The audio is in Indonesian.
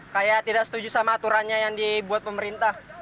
kayak tidak setuju sama aturannya yang dibuat pemerintah